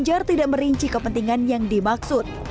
ganjar tidak merinci kepentingan yang dimaksud